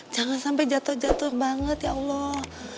jangan sampai jatuh jatuh banget ya allah